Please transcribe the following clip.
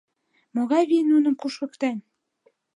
Могай вий нуным кушкыктен?